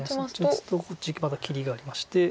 まだ切りがありまして。